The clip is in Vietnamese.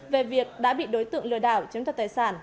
về việc đã bị đối tượng lừa đảo chiếm đặt tài sản